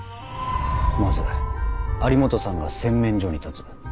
まず有本さんが洗面所に立つ。